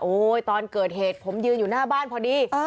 ตอนเกิดเหตุผมยืนอยู่หน้าบ้านพอดี